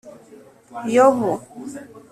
yobu ,